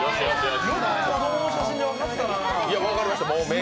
よく子供の写真で分かったな。